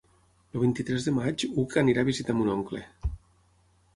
El vint-i-tres de maig n'Hug irà a visitar mon oncle.